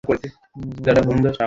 আরে, দোস্ত দাঁড়া, ক্যান্টিন?